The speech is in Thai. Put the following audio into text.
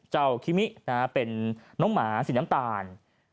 คิมิเป็นน้องหมาสีน้ำตาล